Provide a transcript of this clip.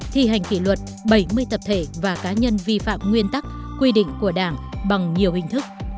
thi hành kỷ luật bảy mươi tập thể và cá nhân vi phạm nguyên tắc quy định của đảng bằng nhiều hình thức